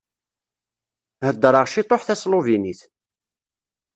Heddreɣ ciṭuḥ tasluvinit.